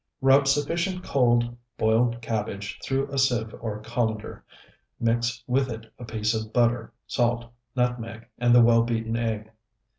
Rub sufficient cold, boiled cabbage through a sieve or colander. Mix with it a piece of butter, salt, nutmeg, and the well beaten egg.